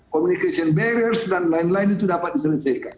communication barriers dan lain lain itu dapat diselesaikan